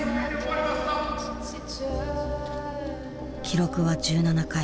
記録は１７回。